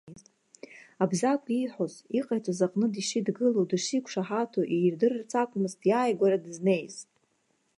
Абзагә ииҳәоз, иҟаиҵоз аҟны дышидгыло, дышиқәшаҳаҭу иирдырырц акәмызт иааигәара дызнеиз.